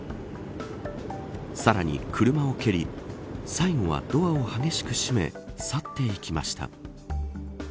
さらに車を蹴り最後はドアを激しく閉め去っていきました。